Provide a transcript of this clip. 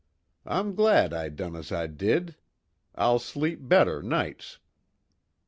I'm glad I done as I did. I'll sleep better nights."